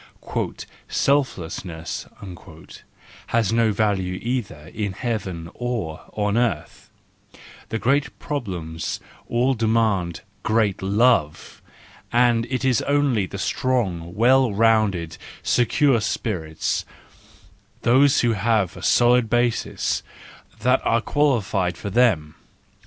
" Selflessness has no value either in heaven or on earth ; the great problems all demand great love , and it is only the strong, well rounded, secure spirits, those who have a solid basis, that are qualified for them.